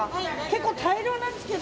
結構大量なんですが。